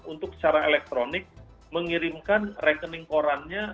untuk secara elektronik mengirimkan rekening korannya